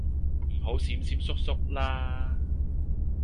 唔好閃閃縮縮啦